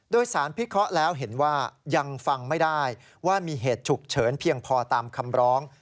โดยสารพิเคราะห์แล้วเห็นว่ายังฟังไม่ได้ว่ามีเหตุฉุกเฉินเพียงพอตามคำร้อง